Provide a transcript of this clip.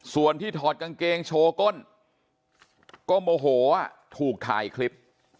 ส่วนที่ถอดกางเกงโชว์ก้นก็โมโหถูกถ่ายคลิป